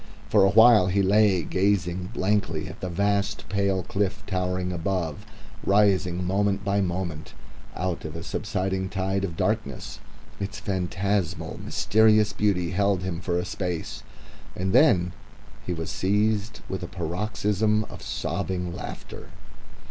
For a while he lay, gazing blankly at that vast pale cliff towering above, rising moment by moment out of a subsiding tide of darkness. Its phantasmal, mysterious beauty held him for a space, and then he was seized with a paroxysm of sobbing laughter...